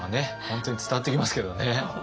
本当に伝わってきますけどね。